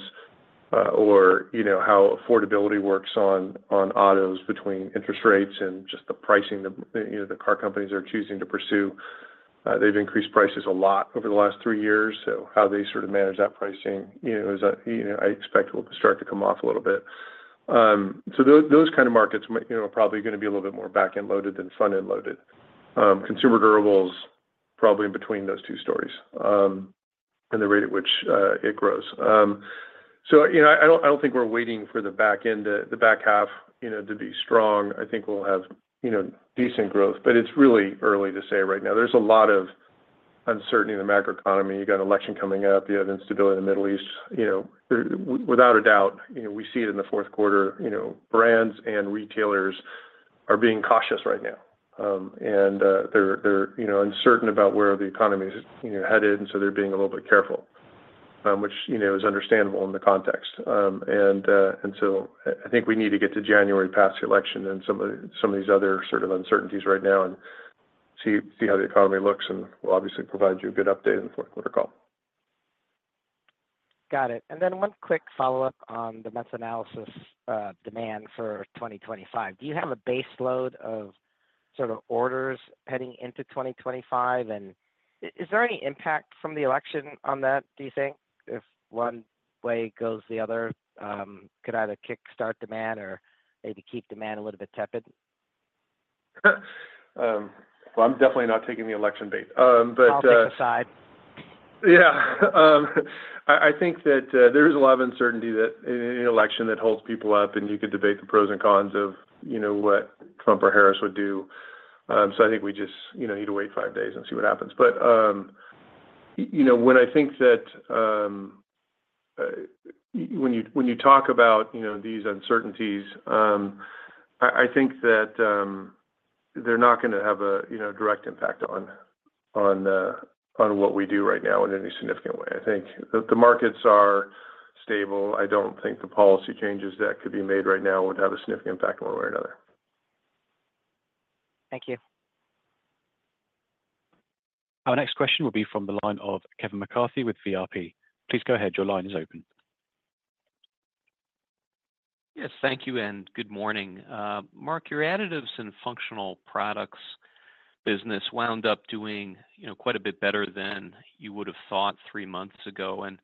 or, you know, how affordability works on autos between interest rates and just the pricing that, you know, the car companies are choosing to pursue. They've increased prices a lot over the last three years. So, how they sort of manage that pricing, you know, is, you know, I expect will start to come off a little bit. So, those kind of markets, you know, are probably going to be a little bit more back end loaded than front end loaded. Consumer durables probably in between those two stories and the rate at which it grows. So, you know, I don't think we're waiting for the back end, the back half, you know, to be strong. I think we'll have, you know, decent growth, but it's really early to say right now. There's a lot of uncertainty in the macroeconomy. You've got an election coming up. You have instability in the Middle East. You know, without a doubt, you know, we see it in the fourth quarter, you know, brands and retailers are being cautious right now. And they're, you know, uncertain about where the economy is, you know, headed. And so, they're being a little bit careful, which, you know, is understandable in the context. And so, I think we need to get to January past the election and some of these other sort of uncertainties right now and see how the economy looks. We'll obviously provide you a good update in the fourth quarter call. Got it. And then one quick follow-up on the methanolysis demand for 2025. Do you have a base load of sort of orders heading into 2025? And is there any impact from the election on that, do you think, if one way goes the other? Could either kickstart demand or maybe keep demand a little bit tepid? I'm definitely not taking the election bait. Politics aside. Yeah. I think that there is a lot of uncertainty in an election that holds people up. And you could debate the pros and cons of, you know, what Trump or Harris would do. So, I think we just, you know, need to wait five days and see what happens. But, you know, when I think that you talk about, you know, these uncertainties, I think that they're not going to have a, you know, direct impact on what we do right now in any significant way. I think the markets are stable. I don't think the policy changes that could be made right now would have a significant impact one way or another. Thank you. Our next question will be from the line of Kevin McCarthy with VRP. Please go ahead. Your line is open. Yes. Thank you and good morning. Mark, your Additives and Functional Products business wound up doing, you know, quite a bit better than you would have thought three months ago. And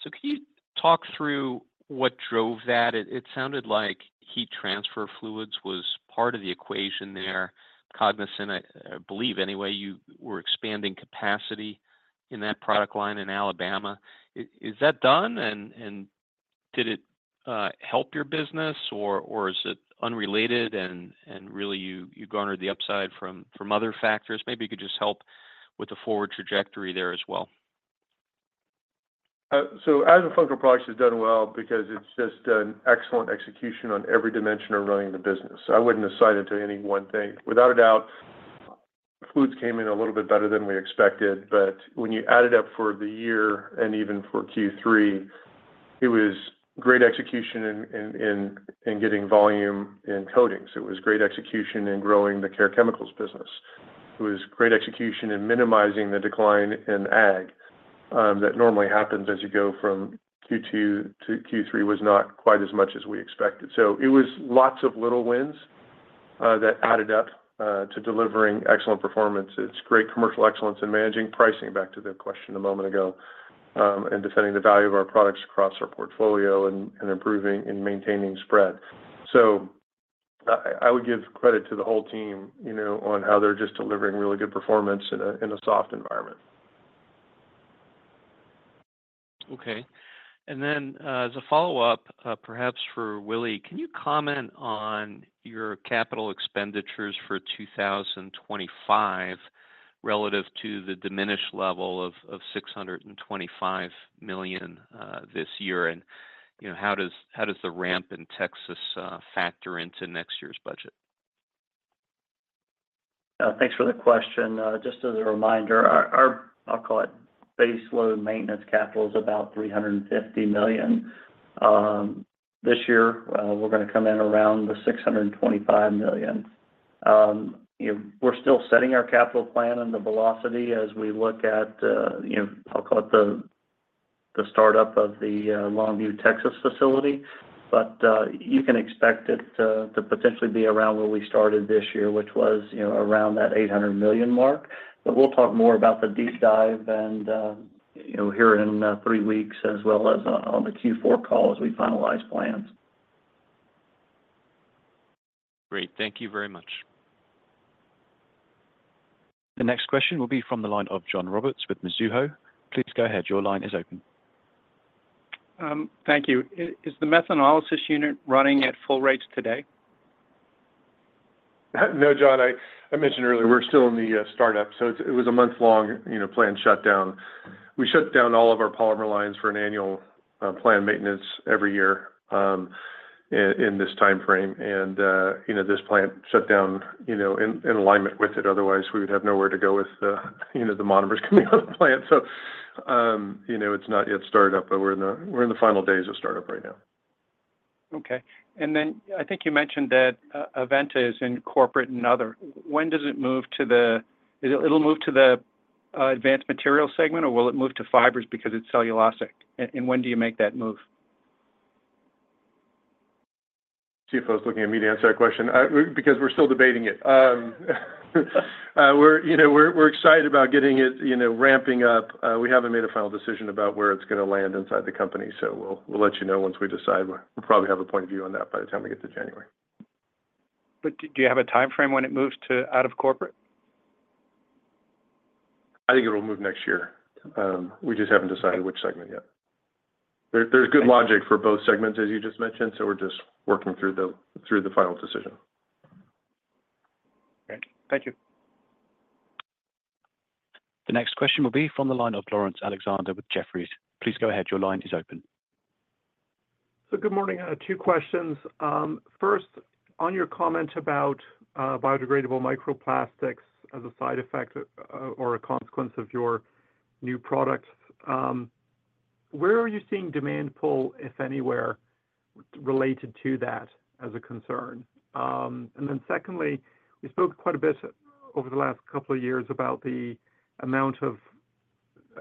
so, can you talk through what drove that? It sounded like heat transfer fluids was part of the equation there. Cognizant, I believe anyway, you were expanding capacity in that product line in Alabama. Is that done? And did it help your business, or is it unrelated? And really, you garnered the upside from other factors. Maybe you could just help with the forward trajectory there as well. So, as a functional product, it's done well because it's just an excellent execution on every dimension of running the business. I wouldn't assign it to any one thing. Without a doubt, fluids came in a little bit better than we expected. But when you added up for the year and even for Q3, it was great execution in getting volume in coatings. It was great execution in growing the Care Chemicals business. It was great execution in minimizing the decline in ag that normally happens as you go from Q2 to Q3 was not quite as much as we expected. So, it was lots of little wins that added up to delivering excellent performance, great commercial excellence in managing pricing back to the question a moment ago and defending the value of our products across our portfolio and improving and maintaining spread. I would give credit to the whole team, you know, on how they're just delivering really good performance in a soft environment. Okay. And then, as a follow-up, perhaps for Willie, can you comment on your capital expenditures for 2025 relative to the diminished level of $625 million this year? And, you know, how does the ramp in Texas factor into next year's budget? Thanks for the question. Just as a reminder, our, I'll call it base load maintenance capital is about $350 million. This year, we're going to come in around the $625 million. You know, we're still setting our capital plan and the velocity as we look at, you know, I'll call it the startup of the Longview, Texas facility. But you can expect it to potentially be around where we started this year, which was, you know, around that $800 million mark. But we'll talk more about the deep dive and, you know, here in three weeks as well as on the Q4 call as we finalize plans. Great. Thank you very much. The next question will be from the line of John Roberts with Mizuho. Please go ahead. Your line is open. Thank you. Is the methanolysis unit running at full rates today? No, John. I mentioned earlier we're still in the startup. So, it was a month long, you know, planned shutdown. We shut down all of our polymer lines for an annual planned maintenance every year in this time frame. And, you know, this plant shut down, you know, in alignment with it. Otherwise, we would have nowhere to go with, you know, the monomers coming out of the plant. So, you know, it's not yet started up, but we're in the final days of startup right now. Okay. And then I think you mentioned that Aventa is in Corporate and Other. When does it move to the, it'll move to the Advanced Materials segment, or will it move to Fibers because it's cellulosic? And when do you make that move? CFO was looking at me to answer that question because we're still debating it. We're, you know, we're excited about getting it, you know, ramping up. We haven't made a final decision about where it's going to land inside the company. So, we'll let you know once we decide. We'll probably have a point of view on that by the time we get to January. But do you have a time frame when it moves to out of corporate? I think it'll move next year. We just haven't decided which segment yet. There's good logic for both segments, as you just mentioned. So, we're just working through the final decision. Great. Thank you. The next question will be from the line of Lawrence Alexander with Jefferies. Please go ahead. Your line is open. So, good morning. Two questions. First, on your comments about biodegradable microplastics as a side effect or a consequence of your new product, where are you seeing demand pull, if anywhere, related to that as a concern? And then secondly, we spoke quite a bit over the last couple of years about the amount of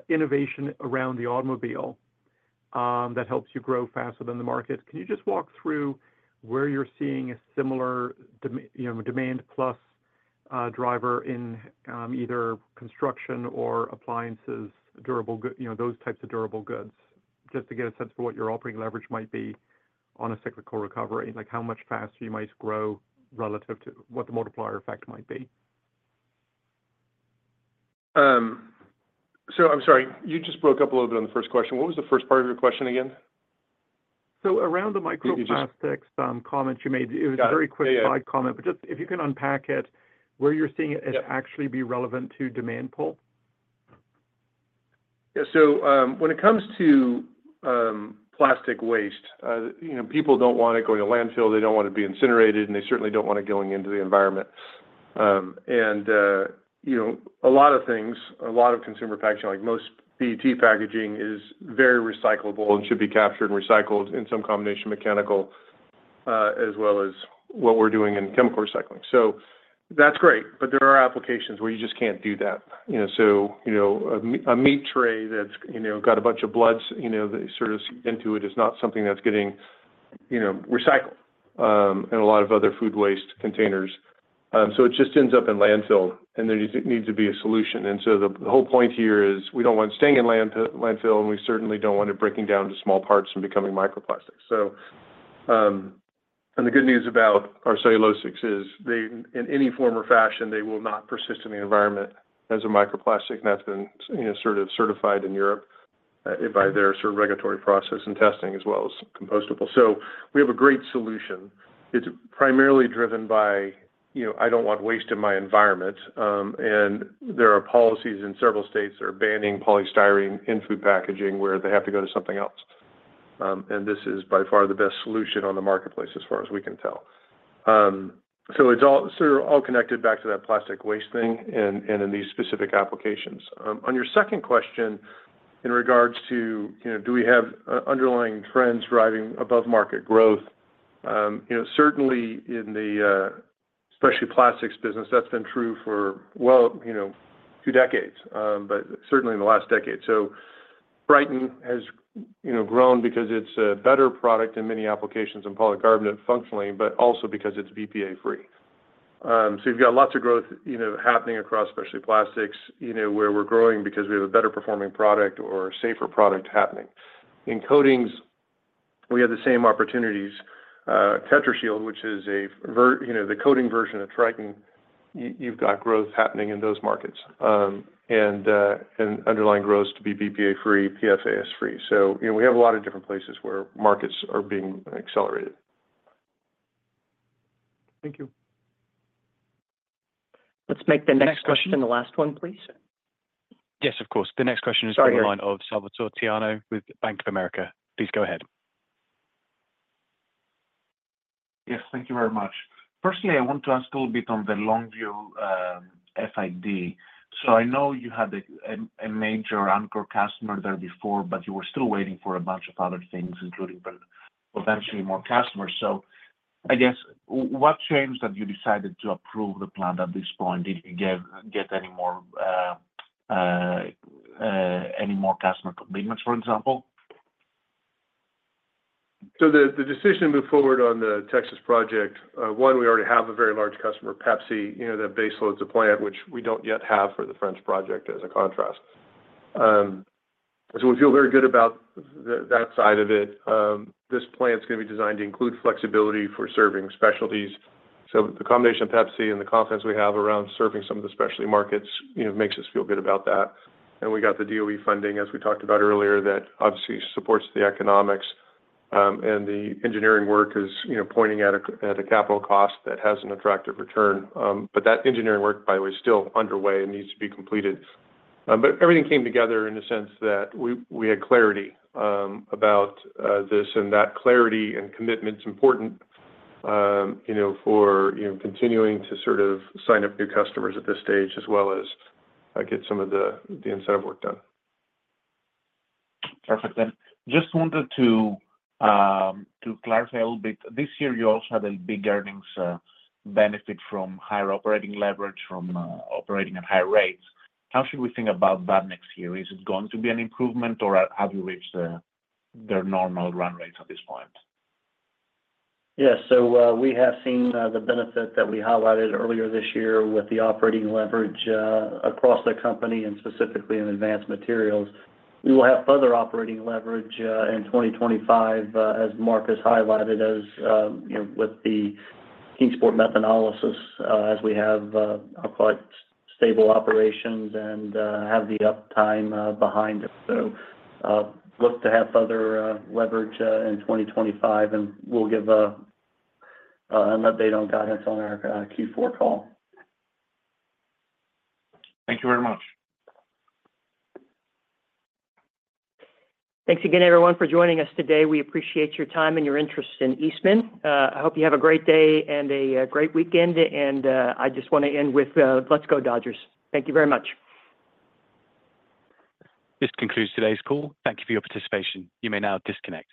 innovation around the automobile that helps you grow faster than the market. Can you just walk through where you're seeing a similar demand plus driver in either construction or appliances, durable, you know, those types of durable goods, just to get a sense for what your operating leverage might be on a cyclical recovery, like how much faster you might grow relative to what the multiplier effect might be? So, I'm sorry. You just broke up a little bit on the first question. What was the first part of your question again? Around the microplastics comment you made, it was a very quick side comment, but just if you can unpack it, where you're seeing it actually be relevant to demand pull? Yeah, so when it comes to plastic waste, you know, people don't want it going to landfill. They don't want it to be incinerated, and they certainly don't want it going into the environment, and you know, a lot of things, a lot of consumer packaging, like most PET packaging, is very recyclable and should be captured and recycled in some combination mechanical as well as what we're doing in chemical recycling, so that's great, but there are applications where you just can't do that. You know, so you know, a meat tray that's you know got a bunch of blood, you know, that sort of seeps into it is not something that's getting you know recycled in a lot of other food waste containers, so it just ends up in landfill, and there needs to be a solution. And so, the whole point here is we don't want it staying in landfill, and we certainly don't want it breaking down to small parts and becoming microplastics. So, and the good news about our cellulosics is they, in any form or fashion, they will not persist in the environment as a microplastic. And that's been, you know, sort of certified in Europe by their sort of regulatory process and testing as well as compostable. So, we have a great solution. It's primarily driven by, you know, I don't want waste in my environment. And there are policies in several states that are banning polystyrene in food packaging where they have to go to something else. And this is by far the best solution on the marketplace as far as we can tell. It's all sort of all connected back to that plastic waste thing and in these specific applications. On your second question in regards to, you know, do we have underlying trends driving above market growth? You know, certainly in the, Specialty Plastics business, that's been true for, well, you know, two decades, but certainly in the last decade. Tritan has, you know, grown because it's a better product in many applications in polycarbonate functionally, but also because it's BPA-free. You've got lots of growth, you know, happening across Specialty Plastics, you know, where we're growing because we have a better performing product or a safer product happening. In coatings, we have the same opportunities. TetraShield, which is a, you know, the coating version of Tritan, you've got growth happening in those markets and underlying growth to be BPA-free, PFAS-free. You know, we have a lot of different places where markets are being accelerated. Thank you. Let's make the next question the last one, please. Yes, of course. The next question is from the line of Salvatore Tiano with Bank of America. Please go ahead. Yes. Thank you very much. Personally, I want to ask a little bit on the Longview FID. So, I know you had a major anchor customer there before, but you were still waiting for a bunch of other things, including potentially more customers. So, I guess what changed that you decided to approve the plan at this point? Did you get any more customer commitments, for example? The decision to move forward on the Texas project, one, we already have a very large customer, Pepsi, you know, that base loads a plant, which we don't yet have for the French project as a contrast. We feel very good about that side of it. This plant's going to be designed to include flexibility for serving specialties. The combination of Pepsi and the confidence we have around serving some of the specialty markets, you know, makes us feel good about that. We got the DOE funding, as we talked about earlier, that obviously supports the economics. The engineering work is, you know, pointing at a capital cost that has an attractive return. That engineering work, by the way, is still underway and needs to be completed. Everything came together in a sense that we had clarity about this. And that clarity and commitment is important, you know, for, you know, continuing to sort of sign up new customers at this stage as well as get some of the incentive work done. Perfect. And just wanted to clarify a little bit. This year, you also had a big earnings benefit from higher operating leverage, from operating at higher rates. How should we think about that next year? Is it going to be an improvement, or have you reached their normal run rates at this point? Yes. So, we have seen the benefit that we highlighted earlier this year with the operating leverage across the company and specifically in Advanced Materials. We will have further operating leverage in 2025, as Mark has highlighted, as, you know, with the Kingsport methanolysis, as we have, I'll call it, stable operations and have the uptime behind it. So, look to have further leverage in 2025, and we'll give an update on guidance on our Q4 call. Thank you very much. Thanks again, everyone, for joining us today. We appreciate your time and your interest in Eastman. I hope you have a great day and a great weekend. And I just want to end with, "Let's go, Dodgers." Thank you very much. This concludes today's call. Thank you for your participation. You may now disconnect.